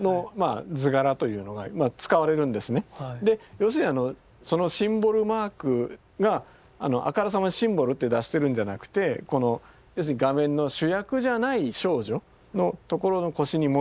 要するにそのシンボルマークがあからさまにシンボルって出してるんじゃなくて要するに画面の主役じゃない少女のところの腰に持ってると。